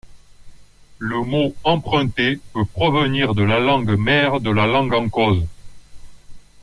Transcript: Le mot emprunté peut provenir de la langue mère de la langue en cause.